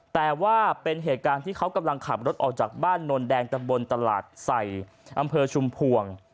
แต่ว่าเป็นเหตุการณ์ที่เขากำลังขับรถออกจากบ้านนนแดงตำบลตลาดใส่อำเภอชุมพวง